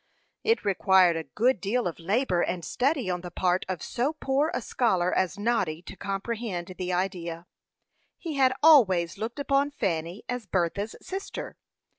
It required a good deal of labor and study on the part of so poor a scholar as Noddy to comprehend the idea. He had always looked upon Fanny as Bertha's sister.